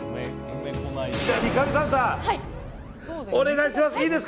三上サンタ、お願いします。